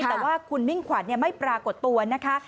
แต่ว่าคุณมิ่งขวัญไม่ปรากฏตัวนะคะ